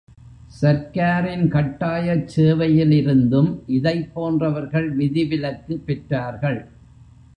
சர்க்காரின் கட்டாயச் சேவையிலிருந்தும் இதைப்போன்றவர்கள் விதிவிலக்கு பெற்றார்கள்.